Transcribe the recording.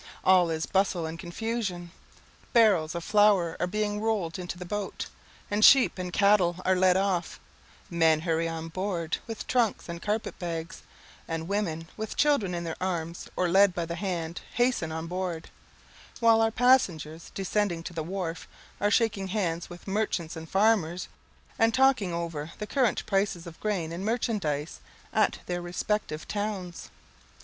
All is bustle and confusion. Barrels of flour are being rolled into the boat, and sheep and cattle are led off men hurry on board with trunks and carpet bags and women, with children in their arms or led by the hand, hasten on board; while our passengers, descending to the wharf, are shaking hands with merchants and farmers, and talking over the current prices of grain and merchandise at their respective towns.